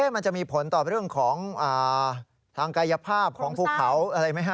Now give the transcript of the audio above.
มันจะมีผลต่อเรื่องของทางกายภาพของภูเขาอะไรไหมฮะ